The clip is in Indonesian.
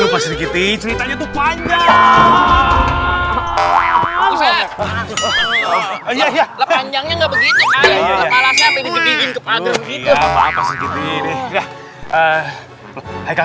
berarti mereka belum balik belum